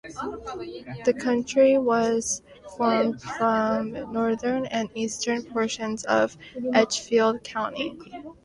The county was formed from northern and eastern portions of Edgefield County.